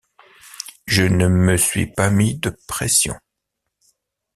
Je ne me suis pas mis de pression.